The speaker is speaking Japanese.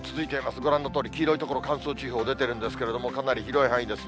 ご覧のとおり黄色い所、乾燥注意報出てるんですけれども、かなり広い範囲ですね。